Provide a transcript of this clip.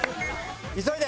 急いで！